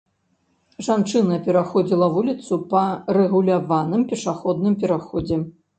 Жанчына пераходзіла вуліцу па рэгуляваным пешаходным пераходзе.